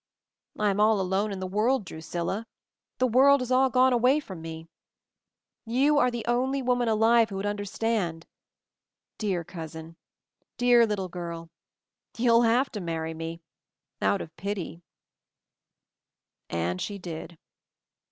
I am all alone in the world, Drusilla; 290 MOVING THE MOUNTAIN the world has all gone away from me ! You are the only woman alive who would under stand. Dear cousin — dear little girl — you'll have to marry me — out of pity 1" And she did.